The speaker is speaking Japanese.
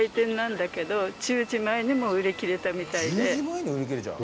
１０時前に売り切れちゃう？